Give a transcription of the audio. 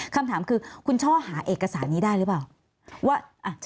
คำถามคือคุณช่อหาเอกสารนี้ได้หรือเปล่าว่า